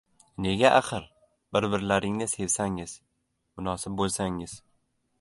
— Nega axir? Bir-birlaringni sevsangiz. Munosib bo‘lsangiz...